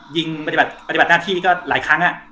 ยิงปฏิบัติหน้าที่ก็หลายครั้ง